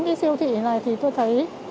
cái siêu thị này thì tôi thấy